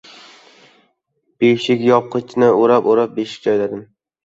Beshikyopg‘ichni o‘rab-o‘rab beshik joyladim.